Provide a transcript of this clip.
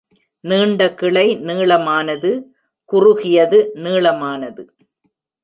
நீண்ட கிளை நீளமானது, குறுகியது நீளமானது.